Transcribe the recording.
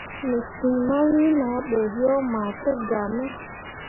Me cin mawen ah ɓe yo mah tǝgaa me.